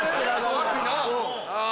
悪いなぁ。